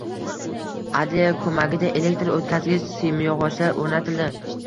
Adliya ko‘magida elektr o‘tkazgich simyog‘ochlar o‘rnatildi